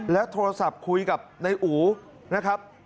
แล้วโทรศัพท์คุยกับนายอูนะครับ